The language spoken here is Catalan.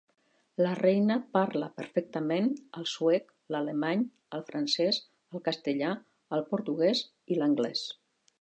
La reina parla perfectament el suec, l'alemany, el francès, el castellà, el portuguès i l'anglès.